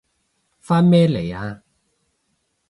返咩嚟啊？